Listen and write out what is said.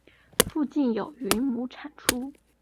附近有云母产出。